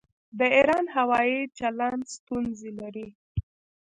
د ایران هوايي چلند ستونزې لري.